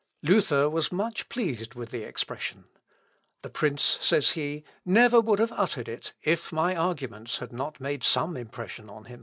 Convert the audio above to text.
" Luther was much pleased with the expression. "The prince," says he, "never would have uttered it, if my arguments had not made some impression on him."